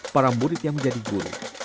para murid yang menjadi guru